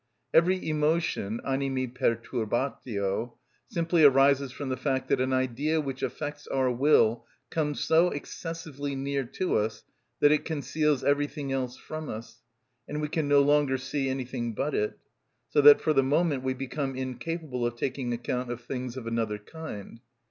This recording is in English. Every emotion (animi perturbatio) simply arises from the fact that an idea which affects our will comes so excessively near to us that it conceals everything else from us, and we can no longer see anything but it, so that for the moment we become incapable of taking account of things of another kind.